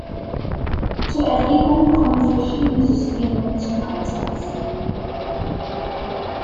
Zur Erregung kommen verschiedene Systeme zum Einsatz.